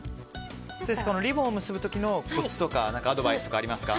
リボンを結ぶ時のコツやアドバイスはありますか？